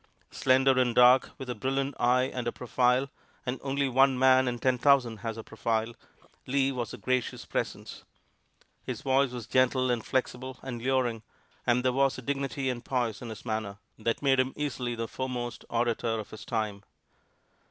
Slender and dark, with a brilliant eye and a profile and only one man in ten thousand has a profile Lee was a gracious presence. His voice was gentle and flexible and luring, and there was a dignity and poise in his manner that made him easily the foremost orator of his time.